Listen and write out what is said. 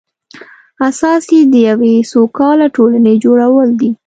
اساس یې د یوې سوکاله ټولنې جوړول دي.